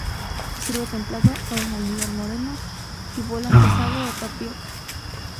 Se sirve templado con un almíbar moreno y bolas de "sago" o tapioca.